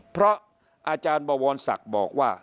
เพราะอาจารย์บวรศักดิ์บอกว่า